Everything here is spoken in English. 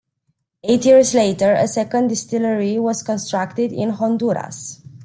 Eight years later a second distillery was constructed in Honduras.